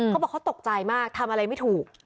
เขาบอกเขาตกใจมากทำอะไรไม่ถูก